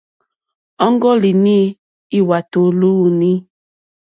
Ɔ́ŋɡɔ́línì lwàtò lúúǃní.